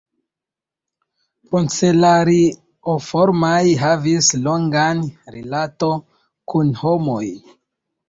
Procelarioformaj havis longan rilato kun homoj.